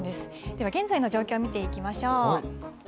では現在の状況見ていきましょう。